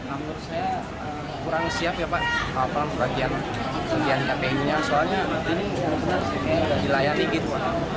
amur saya kurang siap ya pak apalagi kulian kpu nya soalnya ini harus dilayani gitu